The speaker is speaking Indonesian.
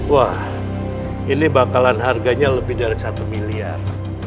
wah ini bakalan harganya lebih dari satu miliar